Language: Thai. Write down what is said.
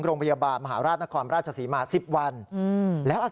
คุณพ่อเขาค่อนข้างหนักนิดหนึ่ง